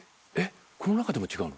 ┐この中でも違うの？